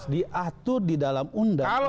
diatur di dalam undang undang